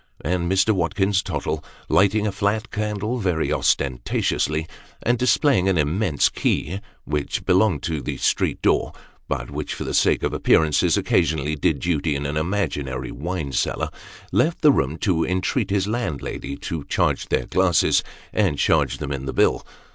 And Mr. Watkins Tottle, lighting a flat candle very ostentatiously ; and displaying an immense key, which belonged to the street door, but which, for the sake of appearances, occasionally did duty in an imaginary wine cellar ; left the room to entreat his landlady to charge their glasses, and charge them in the bill.